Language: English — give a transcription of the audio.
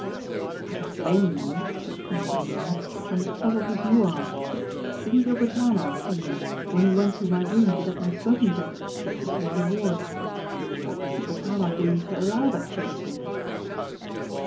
"I'm not blaming you," said Conington Warren. "I'm as puzzled as you are. Didn't Yogotama see him when he went to my room to get my smoking jacket which you say he wore? What was Yogotama doing to allow that sort of thing?"